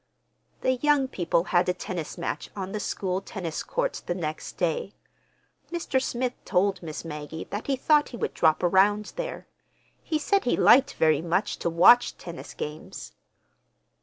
The young people had a tennis match on the school tennis court the next day. Mr. Smith told Miss Maggie that he thought he would drop around there. He said he liked very much to watch tennis games.